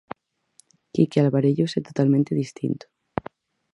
Quique Alvarellos é totalmente distinto.